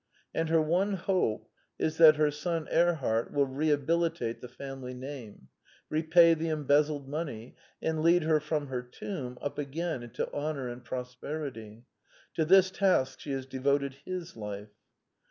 And her one hope is that her son Erhart will rehabilitate the family name; repay the embez zled money; and lead her from her tomb up again into honor and prosperity. To this task she has devoted his life.